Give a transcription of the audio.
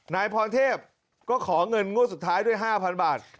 นายพรเทพก็ขอเงินงวดสุดท้ายด้วย๕๐๐บาท